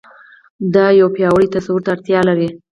دا يو پياوړي تصور ته اړتيا لري.